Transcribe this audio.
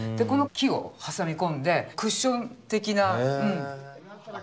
この木を挟み込んでクッション的な。